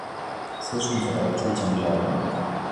Zein hizkuntzatara itzultzen dira gehien?